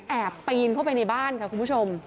ปีนเข้าไปในบ้านค่ะคุณผู้ชม